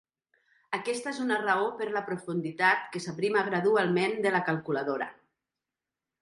Aquesta és una raó per la profunditat que s'aprima gradualment de la calculadora.